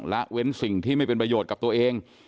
เว้นสิ่งที่ไม่เป็นประโยชน์กับตัวเอง